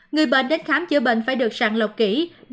người bệnh đến khám chữa bệnh phải được sàng lọc kỹ